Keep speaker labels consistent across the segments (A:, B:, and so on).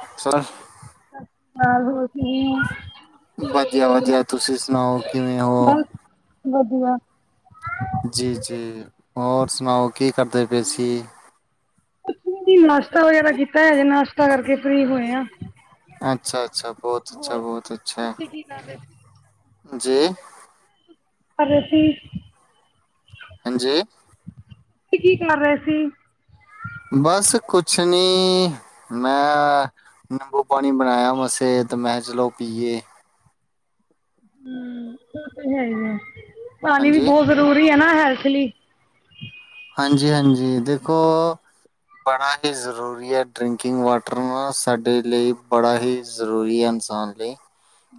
A: [inaudible] Sir
B: ਹੋਰ ਕਿਵੇ ਓ
A: ਵਧੀਆ-ਵਧੀਆ, ਤੁਸੀਂ ਸੁਣਾਓ ਕਿਵੇਂ ਹੋ?
B: ਬਸ ਵਧੀਆ।
A: ਜੀ-ਜੀ ਹੋਰ ਸੁਣਾਓ ਕੀ ਕਰਦੇ ਪਏ ਸੀ?
B: ਅ ਚੂੰਡੀ ਨਾਸ਼ਤਾ ਵਗੈਰਾ ਕੀਤਾ ਐ ਜੇ ਨਾਸ਼ਤਾ ਕਰਕੇ ਫਰੀ ਹੋਏ ਆ।
A: ਅੱਛਾ-ਅੱਛਾ ਬੌਤ, ਅੱਛਾ ਬੌਤ ਅੱਛਾ ਜੀ।
B: ਪਰ ਅਸੀਂ
A: ਹਾਂਜੀ।
B: ਤੇ ਕੀ ਕਰ ਰਹੇ ਸੀ?
A: ਬਸ ਕੁਛ ਨੀ ਮੈਂ ਨਿੰਬੂ ਪਾਣੀ ਬਣਾਇਆ ਮਸੇ ਤੇ ਮੈਂ ਚਲੋ ਪੀਏ।
B: ਹੂੰ ਓ ਤਾ ਹੈ ਹੀ ਆ ਪਾਣੀ ਵੀ
A: ਹਾਂਜੀ
B: ਬਹੁ ਜ਼ਰੂਰੀ ਹੈ ਨਾ ਹੈਲਥ ਲਈ
A: ਹਾਂਜੀ-ਹਾਂਜੀ ਦੇਖੋ ਬੜਾ ਈ ਜ਼ਰੂਰੀ ਐ ਡਰਿੰਕਿੰਗ ਵਾਟਰ ਨਾ ਸਾਡੇ ਲਈ ਬੜਾ ਹੀ ਜ਼ਰੂਰੀ ਹੳ ਐ ਇਨਸਾਨ ਲਈ।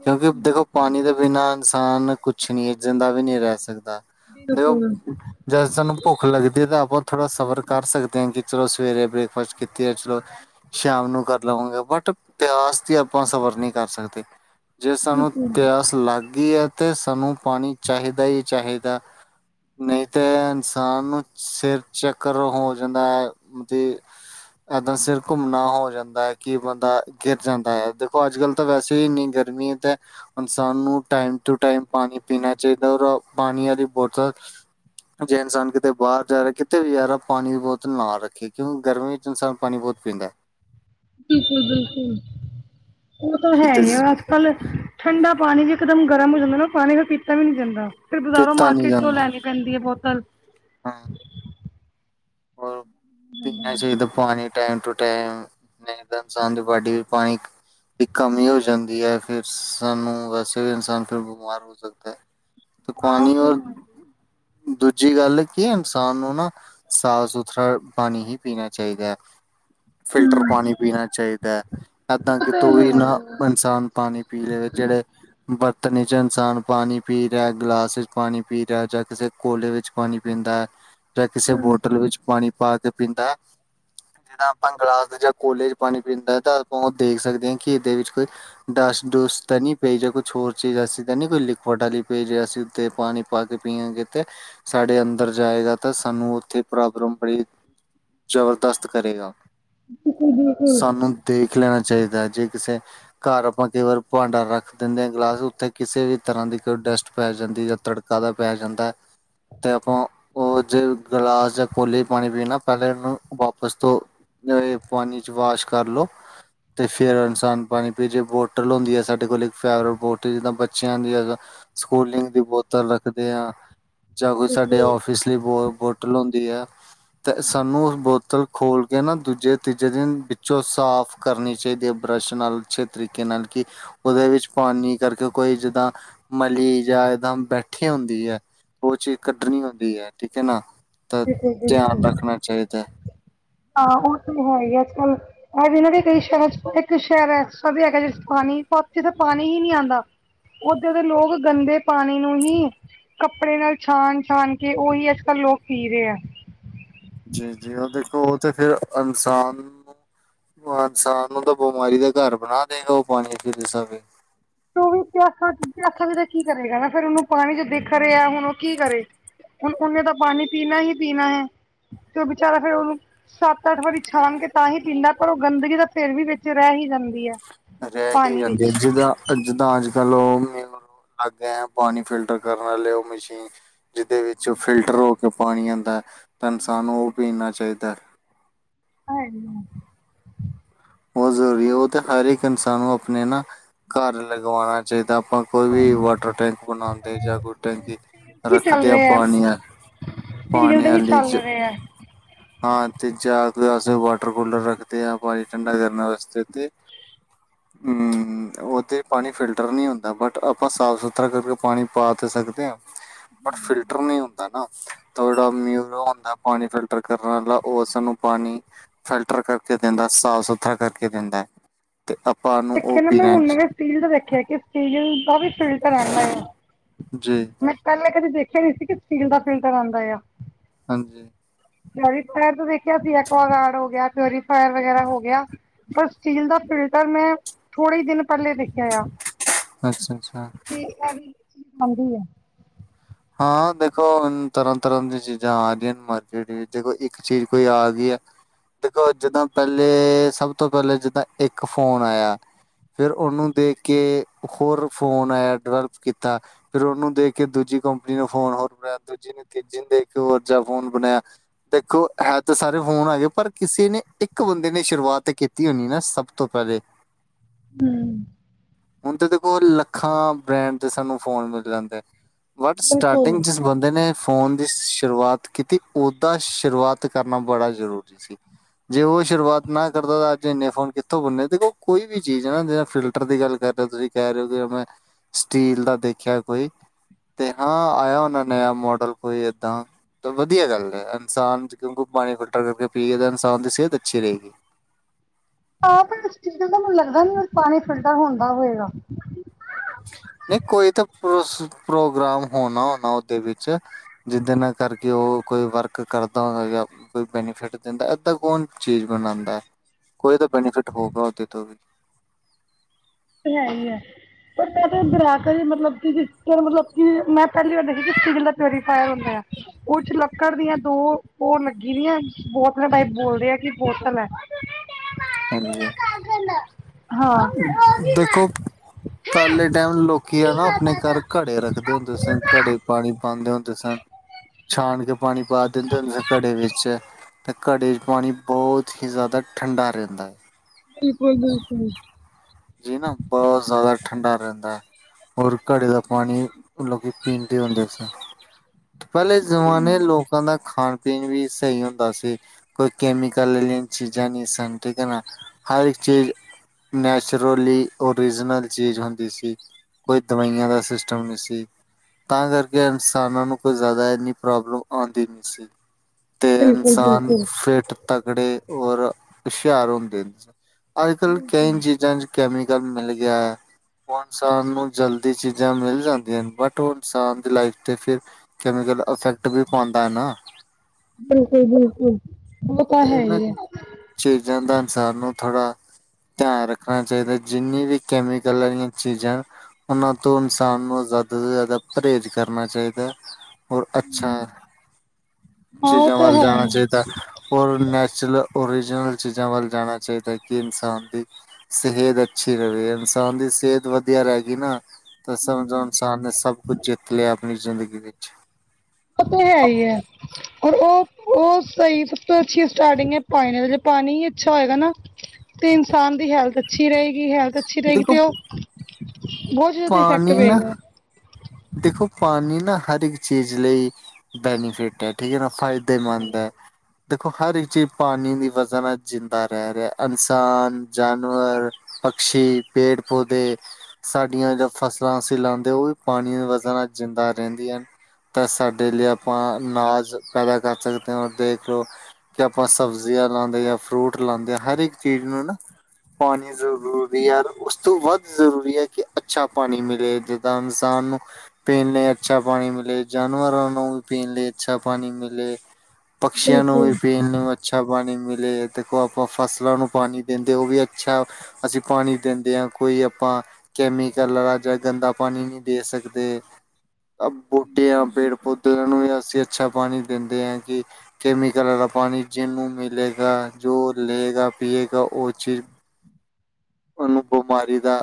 A: ਕਿਉਂਕਿ ਦੇਖੋ ਪਾਣੀ ਦੇ ਬਿਨਾ ਇਨਸਾਨ ਕੁਛ ਨੀ ਏ ਜਿੰਦਾ ਵੀ ਨੀ ਰੈ ਸਕਦਾ ਦੇ ਓ
B: ਬਿਲਕੁਲ,
A: ਜ ਸਨੂੰ ਭੁੱਖ ਲੱਗਦੀ ਹੈ ਤਾਂ ਆਪਾਂ ਥੋੜਾ ਸਫ਼ਰ ਕਰ ਸਕਦੇ ਆ। ਕਿ ਚਲੋ ਸਵੇਰੇ ਬ੍ਰੇਕਫਾਸਟ ਕੀਤੀ ਹੈ। ਚਲੋ ਸ਼ਾਮ ਨੂੰ ਕਰ ਲਵਾਂਗੇ, ਬਟ ਪਿਆਸ ਦੀ ਆਪਾਂ ਸਫ਼ਰ ਨਹੀਂ ਕਰ ਸਕਦੇ ਜੇ ਸਾਨੂੰ
B: ਬਿਲਕੁਲ,
A: ਪਿਆਸ ਲੱਗ ਲੱਗੀ ਐ ਤੇ ਸਾਨੂੰ ਪਾਣੀ ਚਾਹੀਦਾ ਹੀ ਚਾਹੀਦਾ ਨਹੀਂ ਤੈ ਸਾਨੂੰ ਸਿਰ ਚੱਕਰ ਹੋ ਜਾਂਦਾ ਐ। ਏਦਾਂ ਸਿਰ ਘੁੰਮਣਾ ਹੋ ਜਾਂਦਾ ਐ। ਕਿ ਬੰਦਾ ਗਿਰ ਜਾਂਦਾ ਹੈ। ਦੇਖੋ ਅੱਜ ਕੱਲ ਤਾਂ ਵੈਸੇ ਈ ਨਹੀਂ ਗਿਰ ਮੀਤ ਇਨਸਾਨ ਨੂੰ ਟਾਈਮ ਟੂ ਟਾਈਮ ਪਾਣੀ ਪੀਣਾ ਚਾਈਦਾ ਔਰ ਪਾਣੀ ਵਾਲੀ ਬੋਤਲ ਜੇ ਇਨਸਾਨ ਕਿਤੇ ਬਾਹਰ ਜਾ ਰਿਹਾ ਕਿਤੇ ਵੀ ਜਾਵੇ, ਪਾਣੀ ਦੀ ਬੋਤਲ ਨਾ ਰੱਖੇ। ਕਿਉਂਕਿ ਗਰਮੀ ਚ ਇਨਸਾਨ ਪਾਣੀ ਬਹੁਤ ਪੀਂਦਾ।
B: ਬਿਲਕੁਲ-ਬਿਲਕੁਲ ਓ ਤਾਂ
A: ਜੀ
B: ਹੈ।
A: ਤੇ ਜ਼-
B: ਚੱਲ ਠੰਡਾ ਪਾਣੀ ਵੀ ਇਕਦਮ ਗਰਮ ਹੋ ਜਾਂਦਾ, ਨਾ ਪਾਣੀ ਫਿਰ ਪੀਤਾ ਵੀ ਨੀ ਜਾਂਦਾ। ਫਿਰ ਬਾਜ਼ਾਰੋਂ
A: ਪੀਤਾ ਨਹੀਂ
B: ਮਾਰਕੀਟ ਤੋਂ
A: ਜਾਂਦਾ
B: ਲੈਣੀ ਪੈਂਦੀ ਐ ਬੋਤਲ।
A: ਹਾਂ ਔਰ ਪੀਣਾ ਚਾਈਦਾ ਪਾਣੀ ਟਾਈਮ ਟੂ ਟਾਈਮ ਨੲਈ ਤਾਂ ਇਨਸਾਨ ਦੀ ਬਾਡੀ ਵਿੱਚ ਪਾਣੀ ਦੀ ਕਮੀ ਹੋ ਜਾਂਦੀ ਐ। ਫਿਰ ਸਾਨੂੰ ਵੈਸੇ ਵੀ ਇਨਸਾਨ ਫਿਰ ਬਿਮਾਰ ਹੋ ਸਕਦਾ ਐ ਤੇ ਪਾਣੀ ਏ ਦੂਜੀ ਗੱਲ ਕੀ, ਇਨਸਾਨ ਨੂੰ ਨਾ ਸਾਫ਼ ਸੁਥਰਾ ਪਾਣੀ ਹੀ ਪੀਣਾ ਚਾਹੀਦਾ ਐ ਫਿਲਟਰ ਪਾਣੀ ਪੀਣਾ ਚਾਹੀਦਾ ਐ। ਐਦਾਂ ਕਿਤੋਂ ਵੀ ਨਾ ਇਨਸਾਨ ਪਾਣੀ ਪੀ ਲਿਆ ਜਿਹੜੇ ਬਰਤਨ ਚ ਇਨਸਾਨ ਪਾਣੀ ਪੀ ਰਿਆ। ਗਿਲਾਸ ਚ ਪਾਣੀ ਪੀ ਰਿਆ ਜਾਂ ਕਿਸੇ ਕੋਲੇ ਵਿੱਚ ਪਾਣੀ ਪੀਂਦਾ ਜਾਂ ਕਿਸੇ ਬੋਤਲ ਵਿੱਚ ਪਾਣੀ ਪਾ ਕੇ ਪੀਂਦਾ। ਜੇੜਾ ਆਪਾਂ ਗਲਾਸ ਜਾਂ ਕੌਲੇ ਚ ਪਾਣੀ ਪੀਂਤਾ ਤਾਂ ਆਪਾਂ ਓ ਦੇਖ ਸਕਦੇ, ਆ ਕਿ ਇਹਦੇ ਵਿੱਚ ਕੋਈ ਡਸ ਡੁਸਟ ਤਾਂ ਨੀ ਪਈ ਜਾ ਕੁਛ ਹੋਰ ਚੀਜ਼ ਅਸੀ ਤਾਂ ਨੀ ਕੋਈ ਲਿਖੁਟ ਆਲੀ ਪਈ ਜ ਅਸੀਂ ਉੱਤੇ ਪਾਣੀ ਪਾ ਕੇ ਪੀਆਂਗੇ ਤੇ ਸਾਡੇ ਅੰਦਰ ਜਾਏਗਾ ਤਾਂ ਸਾਨੂੰ ਓਥੇ ਪ੍ਰੋਬਲਮ ਪਈ ਜ਼ਬਰਦਸਤ ਕਰੇਗਾ।
B: ਬਿਲਕੁਲ, ਬਿਲਕੁਲ,
A: ਸਾਨੂੰ ਦੇਖ ਲੈਣਾ, ਚਾਹੀਦਾ ਜੇ ਕਿਸੇ ਘਰ ਆਪਾਂ, ਕਈ ਵਾਰ ਭਾਂਡਾ ਰੱਖ ਦਿੰਦੇ ਆਾਂ, ਗਲਾਸ ਉੱਥੇ ਕਿਸੇ ਵੀ ਤਰ੍ਹਾਂ ਦੀ ਕੋਈ ਡਸਟ, ਪੈ ਜਾਂਦੀ ਜਾਂ ਤੜ ਕਾਲਾ ਪੈ ਜਾਂਦਾ ਹੈ, ਤੇ ਆਪਾਂ ਉਹ ਜੇ ਗਲਾਸ ਚ ਜਾਂ ਕੋਲੇ ਪਾਣੀ ਪੀਣਾ, ਪਹਿਲੇ ਇਹਨੂੰ ਵਾਪਸ ਤੋਂ ਪਾਣੀ ਚ, ਵਾਸ਼ ਕਰ ਲਓ। ਤੇ ਫਿਰ ਇਨਸਾਨ ਪਾਣੀ ਪੀ, ਜੇ ਬੋਟਲ ਹੁੰਦੀ ਹੈ ਸਾਡੇ ਕੋ, ਲ ਇੱਕ ਫੇਵਰੇਟ ਬੋਟਲ ਜਿੱਦਾਂ, ਬੱਚਿਆਂ ਦੀ ਹੈ। ਸਕੂਲਿੰਗ, ਦੀ ਬੋਤਲ ਰੱਖਦੇ ਹਾ। ਜਾਂ ਕੋਈ ਸਾਡੇ, ਆਫਿਸ ਲਈ ਬੋਤਲ ਹੁੰਦੀ ਹੈ, ਤੇ ਸਾਨੂੰ ਉਸ ਬੋਤਲ ਖੋਲ ਕੇ ਨਾ, ਦੂਜੇ -ਤੀਜੇ ਦਿਨ ਵਿੱਚੋਂ ਸਾਫ ਕਰਨੀ ਚਾਹੀਦੀ ਹੈ ਬਰੱਸ਼ ਨਾਲ, ਅੱਛੇ ਤਰੀਕੇ ਨਾਲ ਕਿ ਉਹਦੇ ਵਿੱਚ ਪਾਣੀ ਕਰਕੇ, ਕੋਈ ਜਿੱਦਾਂ ਮਲੀ ਜਾਂ ਏਦਾਂ ਬੈਠੀ ਹੁੰਦੀ ਹੈ। ਉਹ ਚੀਜ਼, ਕੱਟਣੀ ਹੁੰਂਦੀ ਹੈ। ਕਿੱਦਨਾ ਨੂੰ
B: ਹਾਂ ਹੁਣ ਹੋਈ ਹੈ ਅੱਜ -ਕੱਲ। ਵੀ ਕਈ ਸ਼ਹਿਰ ਇੱਕ ਸ਼ਹਿਰ ਹੈਗਾ, ਪੰਪ ਤੋਂ ਪਾਣੀ ਪਾਣੀ ਹੀ ਨਹੀ ਆਉਂਦਾ। ਉਧੱਰ ਦੇ ਲੋਕ, ਗੰਦੇ ਪਾਣੀ ਨੂੰ ਹੀ ਕੱਪੜੇ ਨਾਲ, ਛਣ -ਛਾਨ ਕੇ ਉਹੀ ਅੱਜ -ਕੱਲ੍ਹ ਲੋਕ ਪੀ, ਰਹੇ ਆ
A: ਜੇ -ਜੇ ਉਹ ਦੇਖੋ, ਉਹ ਤੇ ਫੇਰ ਇਨਸਾਨ ਇਨਸਾਨ ਨੂੰ ਤਾਂ, ਬਿਮਾਰੀ ਦਾ ਘਰ ਬਣਾ ਦੇਗਾ ਉਹ ਪਾਣੀ ਫਿਰ ਸਰਵੇ
B: ਤੇ ਉਹ ਪਿਆਸਾ- ਪਿਆਸਾ ਵੀ ਤਾਂ ਕੀ ਕਰੇਗਾ, ਫਿਰ ਉਹਨੂੰ ਪਾਣੀ ਚ ਦੇਖ ਰਿਹਾ ਹੁਣ, ਉਹ ਕੀ ਕਰੇ ਹੁਣ ਉਹਨੇ ਤਾਂ, ਪਾਣੀ ਪੀਣਾ ਹੀ ਪੀਣਾ ਹੈ, ਤੇ ਉਹ ਬੇਚਾਰਾ ਫੇਰ ਉਹਨੂੰ ਸੱਤ, ਅੱਠ ਵਾਰੀ, ਛਾਣ ਕੇ ਤਾਂ ਹੀ ਪੀਂਦਾ, ਪਰ ਉਹ ਗੰਦਗੀ ਤਾਂ ਫੇਰ ਵੀ ਵਿੱਚ, ਰਹਿ ਹੀ ਜਾਂਦੀ ਹੈ।
A: ਤੇ ਫਿਰ ਏਡੀ
B: ਪਾਣੀ
A: ਜਲਦੀ
B: ਵਿੱਚ
A: ਗਾ ਜਿੱਦਾਂ ਅੱਜ -ਕੱਲ ਉਹ ਅਲੱਗ ਹੈ, ਪਾਣੀ ਫਿਲਟਰ ਕਰਨ ਵਾਲੀ ਔ ਮਸ਼ੀਨ ਜਿਹਦੇ ਵਿੱਚ, ਫਿਲਟਰ ਹੋ ਕੇ ਪਾਣੀ ਆਉਂਦਾ ਤਾਂ, ਇਨਸਾਨ ਉਹ ਪੀਣਾ ਚਾਹੀਦਾ।
B: ਹਾਏ
A: ਬਹੁਤ ਜ਼ਰੂਰੀ ਹੈ, ਉਹ ਤੇ ਹਰ ਇੱਕ ਇਨਸਾਨ ਨੂੰ, ਆਪਣੇ ਨਾ ਘਰ, ਲਗਵਾਉਣਾ ਚਾਹੀਦਾ ਆਪਾਂ ਨੂੰ। ਕੋਈ ਵੀ, ਵਾਟਰ ਟੈਂਕ ਬਣਾਉਂਦੇ ਜਾਂ ਕੋਈ ਟੈਂਕੀ,
B: ਕੀ ਚੱਲ
A: ਰੱਖਦੇ ਆ
B: ਰਿਹਾ ਹੈ
A: ਪਾਣੀਆਂ
B: ਸਟੀਲ
A: ਪਾਣੇ
B: ਦੇ ਹੀ
A: ਆਲੀ ਚ
B: [unintelligible] [inaudible]
A: ਹਾਂ ਤੇ, ਚਾਰ ਗਲਾਸ ਮੈ ਵਾਟਰ ਕੂਲਰ ਰੱਖਦੇ ਆ, ਪਾਣੀ ਠੰਡਾ ਕਰਨ ਵਾਸਤੇ ਤੇ [unintelligible] [inaudible] ਉਹ ਤੇ ਪਾਣੀ, ਫਿਲਟਰ ਨਹੀਂ ਹੁੰਦਾ ਬਟ ਆਪਾਂ ਸਾਫ ਸੁਥਰਾ ਕਰਕੇ, ਪਾਣੀ ਪਾ ਤਾਂ ਸਕਦੇ ਹਾਂ। ਪਰ ਫਿਲਟਰ ਨਹੀਂ ਹੁੰਦਾ ਨਾ, ਤੇ ਜਿਹੜਾ ਮਿਨਿਰਲ ਹੁੰਦਾ ਪਾਣੀ ਫਿਲਟਰ ਕਰਨ ਵਾਲਾ ਉਹ ਸਾਨੂੰ, ਪਾਣੀ ਫਿਲਟਰ ਕਰਕੇ ਦਿੰਦਾ ਸਾਫ ਸੁਥਰਾ, ਕਰਕੇ ਦਿੰਦਾ ਹੈ। ਤੇ ਆਪਾਂ ਉਹਨੂੰ
B: ਦੇਖੇ
A: ਉਹ
B: ਨਾ ਮੈਂ
A: ਪੀਣਾ
B: ਹੁਣ ਨਵੇਂ ਸਟੀਲ ਦਾ ਦੇਖਿਆ, ਕਿ ਸਟੀਲ ਦਾ ਵੀ ਫਿਲਟਰ ਆਉਂਦਾ।
A: ਜੀ
B: ਪਹਿਲੇ, ਕਦੇ ਦੇਖਿਆ ਨਹੀਂ ਸੀ ਕਿ ਸਟੀਲ ਦਾ ਫਿਲਟਰ, ਆਉਂਦਾ ਆ।
A: ਹਾਂਜੀ।
B: ਪਿਓਫਾਇਰ ਦੇਖਿਆ ਸੀ, ਐਕਗਾਰਡ ਹੋ ਗਿਆ ਪਿਓਰੀਫਾਇਰ ਵਗੈਰਾ, ਹੋ ਗਿਆ। ਪਰ ਸਟੀਲ ਦਾ ਫਿਲਟਰ, ਮੈਂ ਥੋੜ੍ਹੇ ਦਿਨ ਪਹਿਲੇ ਦੇਖਿਆ ਆ।
A: ਅੱਛਾ -ਅੱਛਾ।
B: ਠੀਕ ਐ, ਆਂਦੀ ਹੈ।
A: ਹਾਂ ਦੇਖੋ, ਤਰ੍ਹਾਂ -ਤਰ੍ਹਾਂ ਦੀਆਂ ਚੀਜ਼ਾਂ ਆ ਰਹੀਆਂ ਮਾਰਕੀਟ ਵਿੱਚ ਦੇਖੋ, ਇੱਕ ਚੀਜ਼ ਕੋਈ ਆ ਗਈ ਹੈ। ਦੇਖੋ ਜਿੱਦਾਂ, ਪਹਿਲੇ ਸਭ ਤੋਂ ਪਹਿਲੇ, ਜਿੱਦਾਂ ਇੱਕ ਫੋਨ ਆਇਆ ਫਿਰ ਉਹਨੂੰ ਦੇਖ ਕੇ, ਹੋਰ ਫੋਨ ਆਇਆ ਡਿਵੈਲਪ, ਕੀਤਾ। ਫੇਿਰ ਉਹਨੂੰ ਦੇਖ ਕੇ, ਦੂਜੀ ਕੰਪਨੀ ਨੂੰ ਫੋਨ ਹੋਰ ਬਣਾਇਆ, ਦੂਜੀ ਨੂੰ ਤੀਜੀ ਨੂੰ ਦੇਖ ਕੇ ਉਹ ਓਦਾ, ਜਾ ਫੋਨ ਬਣਇਆ। ਦੇਖੋ ਹੈ ਤਾਂ ਸਾਰੇ, ਫੋਨ ਆ ਗਏ ਪਰ ਕਿਸੇ ਨੇ ਇੱਕ ਬੰਦੇ ਨੇ ਸ਼ੁਰੂਆਤ ਕੀਤੀ ਹੋਣੀ ਨਾ, ਸਭ ਤੋਂ ਪਹਿਲੇ। [unintelligible] [inaudible]
B: ਹਮ।
A: ਹੁਣ ਤਾਂ ਦੇਖੋ, ਲੱਖਾਂ ਬ੍ਰੈਂਡ ਦੇ ਸਾਨੂੰ ਫੋਨ, ਮਿਲ ਜਾਂਦੇ ਸਟਾਰਟਿੰਗ ਜਿਸ ਬੰਦੇ ਨੇ ਫੋਨ ਦੀ ਸ਼ੁਰੂਆਤ ਕੀਤੀ, ਦਾ ਸ਼ੁਰੂਆਤ ਕਰਨਾ ਬੜਾ ਜ਼ਰੂਰੀ ਸੀ। ਜੇ ਉਹ ਸ਼ੁਰੂਆਤ ਨਾ ਕਰਦਾ ਤਾਂ ਅੱਜ ਇਨੇ ਫੋਨ ਕਿੱਥੋਂ ਬਣਨੇ ਸੀ, ਦੇਖੋ ਵੀ ਚੀਜ਼ ਹੈ ਨਾ ਜਿਵੇਂ ਫਿਲਟਰ ਦੀ ਗੱਲ ਕਰ ਜਿਦਾ ਤੁਸੀਂ ਕਹਿ ਰਹੇ ਹੋ ਕਿ ਮੈਂ ਸਟੀਲ ਦਾ ਦੇਖਿਆ ਕੋਈ ਤੇ ਹਾਂ ਆਇਆ ਹੋਣਾ ਨਵਾਂ ਮਾਡਲ ਕੋਈ ਇਦਾਂ ਤਾਂ ਵਧੀਆ ਗੱਲ ਹੈ ਇਨਸਾਨ ' ਚ ਕਿਉਂਕਿ ਪਾਣੀ ਫਿਲਟਰ ਕਰਕੇ ਪੀਏਗਾ ਇਨਸਾਨ ਤਾਂ ਸਿਹਤ ਅੱਛੀ ਰਹੇਗੀ।
B: ਹਾਂ ਪਰ ਇਸ ਚੀਜ਼ 'ਚ ਮੈਨੂੰ ਲੱਗਦਾ ਨੀ ਪਾਣੀ ਫਿਲਟਰ ਹੁੰਦਾ ਹੋਵੇਗਾ।
A: ਨਹੀਂ ਕੋਈ ਤਾਂ ਪ੍ਰੋਸ ਪ੍ਰੋਗਰਾਮ ਹੋਣਾ ਹੋਣਾ ਉਹਦੇ ਵਿੱਚ, ਜਿਦੇ ਨਾਲ ਕਰਕੇ ਉਹ ਕੋਈ ਵਰਕ ਕਰਦਾ ਹੋਏਗਾ। ਕੋਈ ਬੈਨੀਫਿਟ ਦਿੰਦਾ ਏਦਾਂ ਕੌਣ ਚੀਜ਼ ਬਣਾਉਂਦਾ। ਕੋਈ ਤਾਂ ਬੈਨੀਫਿਟ ਹੋਊਗਾ ਉਦੇ ਤੋਂ ਵੀ,
B: ਤੇ ਹੈ ਹੀ ਐ, ਪਰ ਮੈਂ ਤੇ ਬਰਾਕ ਹੀ ਮਤਲਬ ਕਿ ਜੀ ਫਿਰ ਮਤਲਬ ਕਿ ਮੈਂ ਪਹਿਲੀ ਵਾਰ ਦੇਖਿਆ ਕਿ ਸਟੀਲ ਪਿਓਰੀਫਾਇਰ ਹੁੰਦਾ ਆ। ਉਹ, ਚ ਲੱਕੜ ਦੀਆਂ ਦੋ ਪੋਰ ਲੱਗੀ ਦੀਆਂ ਬੋਤਲਾਂ ਟਾਈਪ ਬੋਲਦੇ ਆ ਕਿ ਬੋਤਲ ਹੈ।
A: ਹਾਂਜੀ।
B: ਹਾਂ।
A: ਦੇਖੋ ਪਹਿਲੇ ਟਾਈਮ ਲੋਕੀ ਆ ਨਾ ਆਪਣੇ ਘਰ ਘੜੇ ਰੱਖਦੇ ਹੁੰਦੇ ਸੀ ਘੜੇ। ਪਾਣੀ ਪਾਉਂਦੇ ਹੁੰਦੇ ਸਨ। ਛਾਨ ਕੇ ਪਾਣੀ ਪਾ ਦਿੰਦੇ ਹੁੰਦੇ ਘੜੇ ਵਿੱਚ। ਤੇ ਘੜੇ 'ਚ ਪਾਣੀ ਬਹੁਤ ਹੀ ਜ਼ਿਆਦਾ ਠੰਡਾ ਰਹਿੰਦਾ।
B: ਬਿਲਕੁਲ ਬਿਲਕੁਲ।
A: ਜੀ ਨਾ ਬਹੁਤ ਜ਼ਿਆਦਾ ਠੰਡਾ ਰਹਿੰਦਾ ਹੈ। ਔਰ ਘੜੇ ਦਾ ਪਾਣੀ ਲੋਕੀ ਪੀਂਦੇ ਹੁੰਦੇ ਸਨ। ਪਹਿਲੇ ਜ਼ਮਾਨੇ ਲੋਕਾਂ ਦਾ ਖਾਣ ਪੀਣ ਵੀ ਸਹੀ ਹੁੰਦਾ ਸੀ। ਕੋਈ ਕੈਮਕਲ ਅਲਿਆਂ ਚੀਜ਼ਾਂ ਨੀ ਸਨ ਠੀਕ ਅ ਨਾ, ਹਰ ਇੱਕ ਚੀਜ਼ ਨੈਚ ਚਿਰਲੀ ਓਰੀਜਨਲ ਚੀਜ਼ ਹੁੰਦੀ ਸੀ ਕੋਈ ਦਵਾਈਆਂ ਦਾ ਸਿਸਟਮ ਨਹੀਂ ਸੀ। ਤਾਂ ਕਰਕੇ ਇਨਸਾਨਾਂ ਨੂੰ ਕੋਈ ਜ਼ਿਆਦਾ ਇੰਨੀ ਪ੍ਰੋਬਲਮ ਆਉਂਦੀ ਨਹੀਂ ਸੀ। ਤੇ
B: ਬਿਲਕੁਲ
A: ਇਨਸਾਨ
B: ਬਿਲਕੁਲ
A: ਫਿੱਟ ਤਕੜੇ ਔਰ ਹੁਸ਼ਿਆਰ ਹੁੰਦੇ ਨੇ ਸਨ। ਅੱਜ ਕਲ ਕਈ ਚੀਜ਼ਾਂ ਚ ਕੈਮੀਕਲ ਮਿਲ ਗਿਆ। ਉਹ ਇਨਸਾਨ ਨੂੰ ਜਲਦੀ ਚੀਜ਼ਾਂ ਮਿਲ ਜਾਂਦੀਆਂ ਬਟ ਉਹ ਇਨਸਾਨ ਦੀ ਲਾਈਫ ਤੇ ਫਿਰ ਕੈਮੀਕਲ ਇਫੈਕਟ ਵੀ ਪਾਉਂਦਾ ਹੈ ਨਾ?
B: ਬਿਲਕੁਲ-ਬਿਲਕੁਲ
A: ਤੇ ਇਹਨਾਂ ਚੀਜ਼ਾਂ ਦਾ ਇਨਸਾਨ ਨੂੰ ਥੋੜ੍ਹਾ ਧਿਆਨ ਰੱਖਣਾ ਚਾਹੀਦਾ ਜਿੰਨੀ ਵੀ ਕੈਮੀਕਲ ਵਾਲੀਆਂ ਚੀਜ਼ਾਂ ਉਹਨਾਂ ਤੋਂ ਇਨਸਾਨ ਨੂੰ ਜ਼ਿਆਦਾ ਤੋਂ ਜ਼ਿਆਦਾ ਪਰਹੇਜ਼ ਕਰਨਾ ਚਾਹੀਦਾ। ਹੋਰ ਅੱਛਾ
B: ਹਾਂ ਉਹ
A: ਚੀਜ਼ਾਂ
B: ਤਾਂ
A: ਵੱਲ
B: ਹੈ
A: ਜਾਣਾ
B: ਹੀ
A: ਚਾਹੀਦਾ। ਔਰ ਨੈਚੁਰਲ ਔਰੀਜਨਲ ਚੀਜ਼ਾਂ ਵੱਲ ਜਾਣਾ ਚਾਹੀਦਾ ਕਿ ਇਨਸਾਨ ਦੀ ਸਿਹਤ ਅੱਛੀ ਰਹੇ। ਇਨਸਾਨ ਦੀ ਸਿਹਤ ਵਧੀਆ ਰਹਿ ਗਈ ਨਾ ਤੇ
B: ਹਮ
A: ਸਮਝੋ ਇਨਸਾਨ ਨੇ ਸਭ ਕੁਛ ਜਿੱਤ ਲਿਆ ਆਪਣੀ ਜ਼ਿੰਦਗੀ ਵਿਚ
B: ਉਹ ਤੇ ਹੈ ਹੀ ਆ। ਔਰ ਉਹ ਉਹ ਸਹੀ ਸਭ ਤੋਂ ਅੱਛੀ ਸਟਾਰਟਿੰਗ ਹੈ ਪਾਣੀ, ਪਾਣੀ ਹੀ ਅੱਛਾ ਹੋਏਗਾ ਨਾ, ਤੇ ਇਨਸਾਨ ਦੀ ਹੈਲਥ ਅੱਛੀ ਰਹੇਗੀ ਹੈਲਥ ਅੱਛੀ ਰਹੇਗੀ
A: ਦੇਖੋ
B: ਤੇ ਉਹ ਬਹੁਤ ਜ਼ਿਆਦਾ ਇਫੈਕਟ
A: ਪਾਣੀ ਨਾ,
B: ਪਏਗਾ
A: ਦੇਖੋ ਪਾਣੀ ਨਾ ਹਰ ਇੱਕ ਚੀਜ਼ ਲਈ ਬੈਨੀਫਿਟ ਹੈ। ਠੀਕ ਹੈ ਨਾ ਫਾਇਦੇਮੰਦ ਆ। ਦੇਖੋ ਹਰ ਇੱਕ ਚੀਜ਼ ਪਾਣੀ ਦੀ ਵਜ੍ਹਾ ਨਾਲ ਜਿੰਦਾ ਰਹਿ ਰਿਹਾ ਇਨਸਾਨ, ਜਾਨਵਰ ਪਕਸ਼ੀ, ਪੇਡ-ਪੌਦੇੇ, ਡੀਆਂ ਜਾਂ ਫਸਲਾਂ ਅਸੀਂ ਲਾਉਦੇ ਉਹ ਵੀ ਪਾਣੀ ਦੀ ਵਜ੍ਹਾ ਨਾਲ ਜਿੰਦਾ ਰਹਿੰਦੀਆਂ ਨੇ। ਤਾਂ ਸਾਡੇ ਲਈ ਆਪਾਂ ਅਨਾਜ ਪੈਦਾ ਕਰ ਸਕਦੇ ਹਾਂ ਦੇਖ ਲਓ। ਕਿ ਆਪਾਂ ਸਬਜ਼ੀਆਂ ਲਾਉਦੇ, ਫਰੂਟ ਲਾਉਦੇ ਹਰ ਇੱਕ ਚੀਜ਼ ਨੂੰ ਨਾ ਪਾਣੀ ਜ਼ਰੂਰੀ ਐ, ਉਸ ਤੋਂ ਵੱਧ ਜ਼ਰੂਰੀ ਹੈ ਕਿ ਅੱਛਾ ਪਾਣੀ ਮਿਲੇ ਜਿੱਦਾਂ ਇਨਸਾਨ ਨੂੰ ਪੀਣ ਲਈ ਅੱਛਾ ਪਾਣੀ ਮਿਲੇ। ਜਾਨਵਰਾਂ ਨੂੰ ਵੀ ਪੀਣ ਲਈ ਅੱਛਾ ਪਾਣੀ ਮਿਲੇ। ਪਕਸ਼ੀਆਂ ਨੂੰ
B: ਬਿਲਕੁਲ
A: ਵੀ ਪੇਨ ਨ, ਅੱਛਾ ਪਾਣੀ, ਮਿਲੇ ਦੇਖੋ ਆਪਾਂ ਫਸਲਾਂ ਨੂੰ ਪਾਣੀ ਦਿੰਦੇ ਉਹ ਵੀ ਅੱਛਾ। ਅਸੀਂ ਪਾਣੀ ਦਿੰਦੇ ਹਾਂ ਕੋਈ ਆਪਾਂ ਕੈਮੀਕਲ ਵਾਲਾ ਜਾਂ ਗੰਦਾ ਪਾਣੀ ਨਹੀਂ ਦੇ ਸਕਦੇ। ਤਾਂ ਬੂਟੀਆਂ ਪੇੜ ਪੌਦਿਆਂ ਨੂੰ ਵੀ ਅਸੀਂ ਅੱਛਾ ਪਾਣੀ ਦਿੰਦੇ ਹਾ ਕਿ ਕੈਮੀਕਲ ਵਾਲਾ ਪਾਣੀ ਜਿਹਨੂੰ ਮਿਲੇਗਾ ਜੋ ਲਏਗਾ ਪੀਏਗਾ, ਉਹ ਚੀਜ਼ ਉਹਨੂੰ ਬਿਮਾਰੀ ਦਾ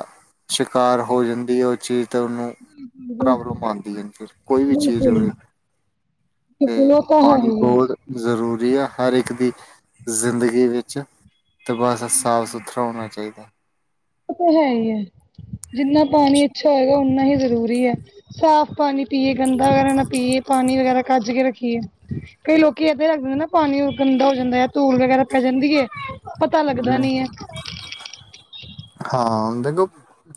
A: ਸ਼ਿਕਾਰ ਹੋ ਜਾਂਦੀ ਹੈ, ਉਹ ਚੀਜ਼। ਤੇ ਉਹਨੂੰ ਪ੍ਰੋਬਲਮ ਆਦੀ ਹੈ, ਫੇਰ ਕੋਈ ਵੀ ਚੀਜ਼
B: ਬਿਲਕੁਲ
A: ਹੋਵੇ। ਤੇ ਪਾਣੀ
B: [unintelligible]
A: ਬਹੁਤ ਜ਼ਰੂਰੀ ਆ ਹਰ ਇੱਕ ਦੀ ਜ਼ਿੰਦਗੀ ਵਿੱਚ ਅਤੇ ਬਸ ਸਾਫ ਸੁਥਰਾ ਹੋਣਾ ਚਾਹੀਦਾ।,
B: ਉਹ ਤਾਂ ਹੈ ਹੀ ਹੈ, ਜਿੰਨਾ ਪਾਣੀ ਅੱਛਾ ਹੋਏਗਾ ਉਨਾ ਹੀ ਜ਼ਰੂਰੀ ਹੈ। ਸਾਫ ਪਾਣੀ ਪੀਏ ਗੰਦਾ ਵਗੈਰਾ ਨਾ ਪੀਏ ਪਾਣੀ ਵਗੈਰਾ ਕੱਜ ਕੇ ਰੱਖੀਏ। ਕਈ ਲੋਕੀ ਏਦਾਂ ਹੀ ਰੱਖ ਦਿੰਦੇ ਨਾ ਪਾਣੀ ਗੰਦਾ ਹੋ ਜਾਂਦਾ ਹੈ, ਧੂਲ ਵਗੈਰਾ ਪੈ ਜਾਂਦੀ ਹੈ। ਪਤਾ ਲੱਗਦਾ ਨੀ ਹੈ।
A: ਹਾਂ ਦੇਖੋ,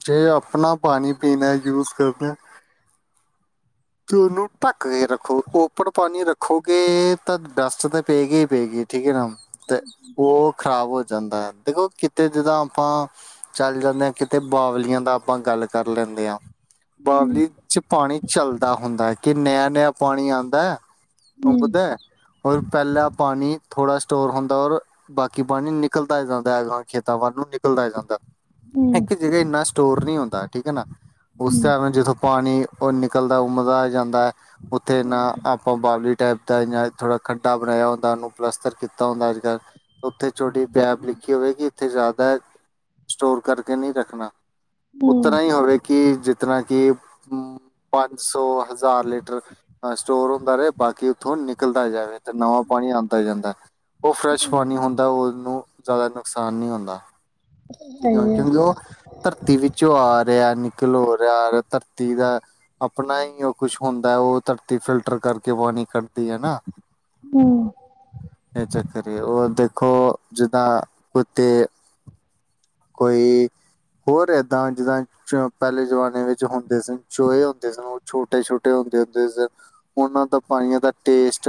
A: ਜੇ ਆਪਣਾ ਪਾਣੀ ਪੀਣਾ ਯੂਜ ਕਰਦੇ ਆ। ਤੇ ਉਹਨੂੰ ਢੱਕ ਕੇ ਰੱਖੋ ਓਪੜ ਪਾਣੀ ਰੱਖੋਗੇ, ਤਾਂ ਬੈਸਟ ਤਾਂ ਪੈਗੀ ਹੀ ਪਏਗੀ ਠੀਕ ਹੈ ਨਾ, ਤੇ ਉਹ ਖ਼ਰਾਬ ਹੋ ਜਾਂਦਾ ਹੈ, ਦੇਖੋ ਕਿਤੇ ਜਿੱਦਾਂ ਆਪਾਂ ਚੱਲ ਜਾਂਦੇ ਆ ਕਿਤੇ ਬਾਵਲੀਆਂ ਦਾ ਆਪਾਂ ਗੱਲ ਕਰ ਲੈਂਦੇ ਹਾਂ।
B: ਹੂੰ
A: ਬਾਵਲੀ ਚ ਪਾਣੀ ਚੱਲਦਾ। ਹੁੰਦਾ ਕਿ ਨਯਅ-ਨਯਅ ਪਾਣੀ ਆਦਾ ਉਹ
B: ਹੂੰ
A: ਔਰ ਪਹਿਲਾ ਪਾਣੀ ਥੋੜਾ ਸਟੋਰ ਹੁੰਦਾ ਔਰ ਬਾਕੀ ਪਾਣੀ ਨਿਕਲਦਾ ਜਾਂਦਾ ਹੈ, ਖੇਤਾਂ ਵੱਲ ਨੂੰ ਨਿਕਲਦਾ ਜਾਂਦਾ।
B: ਹੂੰ
A: ਇੱਕ ਜਗ੍ਹਾ ਇੰਨਾ ਸਟੋਰ ਨੀ ਹੁੰਦਾ ਠੀਕ ਹੈ ਨਾ, ਉਸ ਹਿਸਾਬ ਨਾਲ ਜਦੋਂ ਪਾਣੀ ਨਿਕਲਦਾ। ਓ ਮਜ਼ਾ ਆ ਜਾਂਦਾ ਹੈ। ਉੱਥੇ ਨਾ ਆਪਾਂ ਬਾਵਲੀ ਟਾਈਪ ਦਾ ਜਾਂ ਥੋੜਾ ਖੰਡਾ ਬਣਾਇਆ ਹੁੰਦਾ, ਉਹਨੂੰ ਪਲੱਸਤਰ ਕੀਤਾ ਹੁੰਦਾ ਅੱਜ-ਕੱਲ੍ਹ। ਉੱਥੇ ਛੋਟੀ ਪੈਪ ਲਿਖੀ ਹੋਵੇ, ਕਿ ਇੱਥੇ ਜ਼ਿਆਦਾ ਸਟੋਰ ਕਰਕੇ ਨਹੀਂ ਰੱਖਣਾ।
B: ਹੂੰ
A: ਉਤਨਾ ਹੀ ਹੋਵੇ, ਕਿ ਜਿਤਰ ਕਿ ਹ ਪੰਜ ਸੌ ਹਜ਼ਾਰ ਲੀਟਰ ਸਟੋਰ ਹੁੰਦਾ, ਰਹੇ ਬਾਕੀ ਉੱਥੋਂ ਨਿਕਲਦਾ ਜਾਵੇ ਤੇ ਨਵਾਂ ਪਾਣੀ ਆਦਾ ਜਾਂਦਾ। ਉਹ ਫਰੈਸ਼ ਪਾਣੀ ਹੁੰਦਾ, ਉਹਨੂੰ ਜ਼ਿਆਦਾ ਨੁਕਸਾਨ ਨਹੀਂ ਹੁੰਦਾ। ਠੀਕ ਹੈ,
B: ਹੈਗੇ ਆ
A: ਕਿਉਂਕਿ ਉਹ ਧਰਤੀ ਵਿੱਚੋਂ ਆ ਰਿਹਾ ਨਿਕਲ ਹੋ ਰਿਹਾ ਧਰਤੀ ਦਾ। ਆਪਣਾ ਹੀ ਉਹ ਕੁਛ ਹੁੰਦਾ ਉਹ ਧਰਤੀ ਫਿਲਟਰ ਕਰਕੇ ਪਾਣੀ ਕੱਢਦੀ ਹੈ ਨਾ।
B: [unintelligible]
A: ਇਹ ਚੱਕਰ ਹੀ ਉਹਰ ਦੇਖੋ ਜਿੱਦਾਂ ਕੁੱਤੇ ਕੋਈ ਹੋਰ ਏਦਾਂ ਜਿੱਦਾਂ ਪਹਿਲੇ ਜ਼ਮਾਨੇ ਵਿੱਚ ਹੁੰਦੇ ਸੀ ਚੋਹੇ ਹੁੰਦੇ ਸੀ ਉਹ ਛੋਟੇ-ਛੋਟੇ ਹੁੰਦੇ-ਹੁੰਦੇ ਸੀ। ਉਹਨਾਂ ਦਾ ਪਾਣੀਆਂ ਦਾ ਟੇਸਟ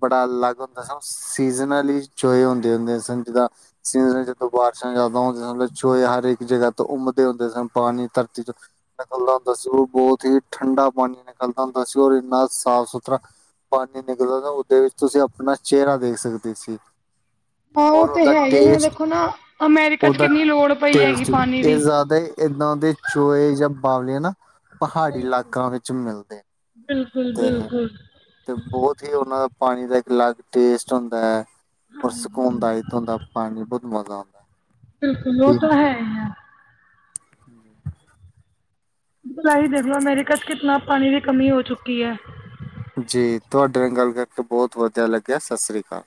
A: ਬੜਾ ਅਲੱਗ ਹੁੰਦਾ ਸਾ ਸੀਜ਼ਨਲੀ ਚੋਹੇ ਹੁੰਦੇ-ਹੁੰਦੇ ਸਨ ਜਿੱਦਾਂ ਸੀ ਜਦੋਂ ਬਾਰਿਸ਼ਾਂ ਜ਼ਿਆਦਾ ਹੁੰਦਾ। ਚੋਏ ਹਰਕ ਜਗ੍ਹਾ ਤੋਂ ਉਮਦੇ ਹੁੰਦੇ ਸਨ, ਪਾਣੀ ਧਰਤੀ ਤੋਂ। ਨਿਕਲਦਾ ਹੁੰਦਾ ਸੀ, ਔਰ ਬਹੁਤ ਹੀ ਠੰਡਾ ਪਾਣੀ ਨਿਕਲਦਾ ਹੁੰਦਾ ਸੀ ਔਰ ਇੰਨਾ ਸਾਫ਼ ਸੁਥਰਾ ਪਾਣੀ ਨਿਕਲਦਾ ਤਾਂ ਉਹਦੇ ਵਿੱਚ ਤੁਸੀਂ ਆਪਣਾ ਚਿਹਰਾ ਦੇਖ ਸਕਦੇ ਸੀ।
B: ਆਹ ਉਹ
A: ਔਰ
B: ਤੇ
A: ਉਹਦਾ
B: ਹੈਗੇ ਹੁਣ
A: ਟੇਸਟ
B: ਦੇਖੋ ਨਾ ਅਮੈਰੀਕਾ ਚ
A: ਉਹਦਾ
B: ਕਿੰਨੀ ਲੋੜ ਪਈ ਹੈਗੀ
A: ਟੇਸਟੀ
B: ਪਾਣੀ
A: ਇਹ
B: ਦੀ।
A: ਜ਼ਿਆਦਾ ਏਦਾਂ ਦੇ ਚੋਏ ਜਾਂ ਬਵਲੇ ਨਾ ਪਹਾੜੀ ਇਲਾਕਾਂ ਵਿੱਚ ਮਿਲਦੇ ਨੇ।
B: ਬਿਲਕੁਲ-ਬਿਲਕੁਲ।
A: ਤੇ ਬਹੁਤ ਹੀ ਉਹਨਾਂ ਦਾ ਪਾਣੀ ਦਾ ਇੱਕ ਅਲੱਗ ਟੇਸਟ ਹੁੰਦਾ ਹੈ। ਔਰ ਸਕੂਨਦਾਇਤ ਹੁੰਦਾ ਪਾਣੀ ਚ ਬਹੁਤ ਮਜ਼ਾ ਆਦਾ।
B: ਬਿਲਕੁਲ ਉਹ ਤਾਂ ਹੈ।
A: [unintelligible]
B: ਬੁਲਾ ਹੀ ਦੇਖ ਲਓ, ਅਮੇਰੀਕਾ ਚ ਕਿਤਨਾ ਪਾਣੀ ਦੀ ਕਮੀ ਹੋ ਚੁੱਕੀ ਹੈ।
A: ਜੀ ਤੁਹਾਡੇ ਨਾਲ ਗੱਲ ਕਰਕੇ ਬਹੁਤ ਵਧੀਆ ਲੱਗਿਆ, ਸਤਿ ਸ਼੍ਰੀ ਅਕਾਲ।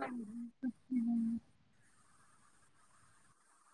B: ਹਾਂਜੀ, ਹਮ।